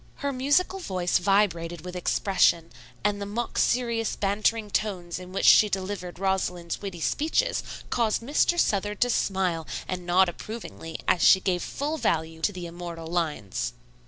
Her musical voice vibrated with expression and the mock serious bantering tones in which she delivered Rosalind's witty speeches caused Mr. Southard to smile and nod approvingly as she gave full value to the immortal lines.